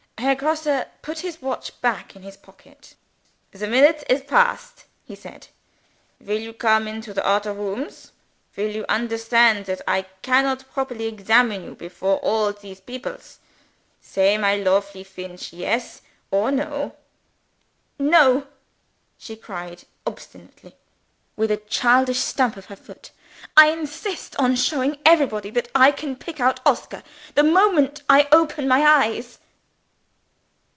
Herr Grosse put his watch back in his pocket. "The minutes is passed," he said. "Will you come into the odder rooms? Will you understand that I cannot properly examine you before all these peoples? Say, my lofely Feench Yes? or No?" "No!" she cried obstinately, with a childish stamp of her foot. "I insist on showing everybody that I can pick out Oscar, the moment I open my eyes."